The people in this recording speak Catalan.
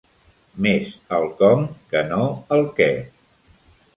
Més el com que no el què.